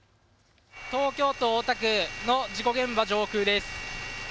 東京大田区の事故現場上空です。